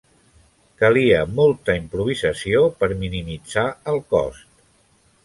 Calia molta improvisació per minimitzar el cost.